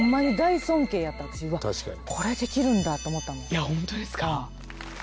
いやホントですか？